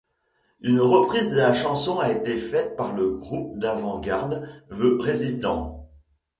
Une reprise de la chanson a été faite par le groupe d'avant-garde The Residents.